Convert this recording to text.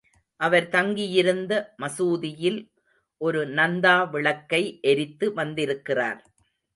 அவர் தங்கியிருந்த மசூதியில் ஒரு நந்தா விளக்கை எரித்து வந்திருக்கிறார்.